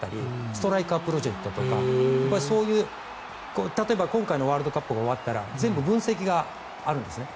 ストライカープロジェクトとか例えば今回のワールドカップが終わったら全部分析があるんですね。